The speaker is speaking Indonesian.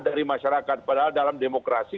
dari masyarakat padahal dalam demokrasi